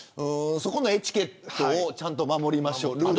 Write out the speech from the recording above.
そこのエチケットをちゃんと守りましょうって。